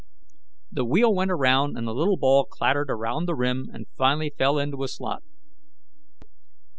The wheel went around and the little ball clattered around the rim and finally fell into a slot.